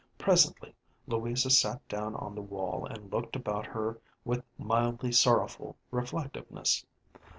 Presently Louisa sat down on the wall and looked about her with mildly sorrowful reflectiveness.